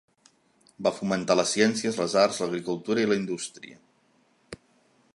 Va fomentar les ciències, les arts, l'agricultura i la indústria.